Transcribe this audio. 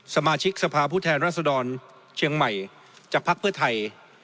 สมาชิกสภาพผู้แทนรัศดรเชียงใหม่จากภักดิ์เพื่อไทย